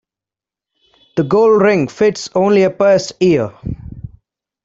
The gold ring fits only a pierced ear.